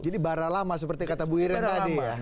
jadi bara lama seperti kata bu irwin tadi ya